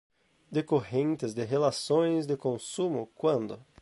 decorrentes de relações de consumo, quando